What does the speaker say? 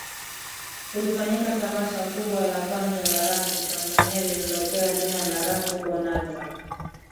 kulifanyika tamasha kubwa la kwanza la Rapu Tanzania lililopewa jina la Rapu Bonanza